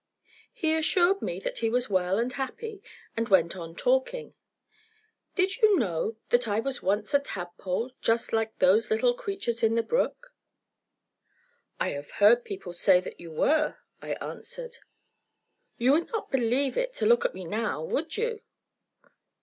He assured me that he was well and happy, and went on talking. "Did you know that I was once a tadpole just like those little creatures in the brook? "I have heard people say that you were," I answered. "You would not believe it to look at me now, would you?"